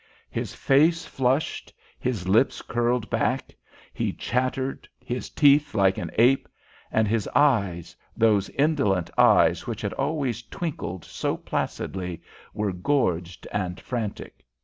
His face flushed, his lips curled back, he chattered, his teeth like an ape, and his eyes those indolent eyes which had always twinkled so placidly were gorged and frantic.